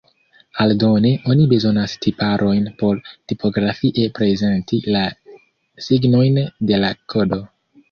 Aldone oni bezonas tiparojn por tipografie prezenti la signojn de la kodo.